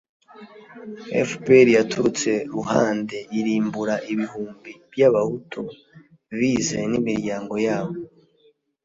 fpr yaturutse ruhande irimbura ibihumbi by'abahutu bize n'imiryango yabo